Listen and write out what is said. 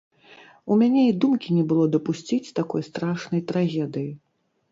У мяне і думкі не было дапусціць такой страшнай трагедыі.